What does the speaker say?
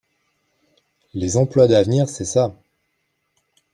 Les emplois d’avenir, c’est ça.